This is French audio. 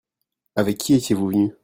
Avec qui étiez-vous venu ?